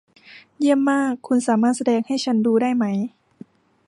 เยี่ยมมาก คุณสามารถแสดงให้ฉันดูได้ไหม